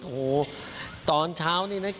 โอ้โหตอนเช้านี้